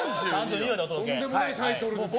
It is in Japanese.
とんでもないタイトルですけど。